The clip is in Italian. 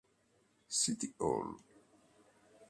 City Hall